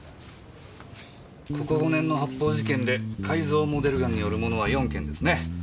ここ５年の発砲事件で改造モデルガンによるものは４件ですね。